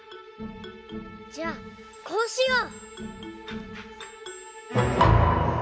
じゃあこうしよう！